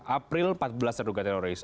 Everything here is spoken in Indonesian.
april empat belas terduga teroris